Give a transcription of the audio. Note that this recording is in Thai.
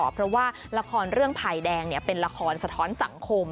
เพราะว่าละครเรื่องภายแดงเป็นละครสะท้อนสังคม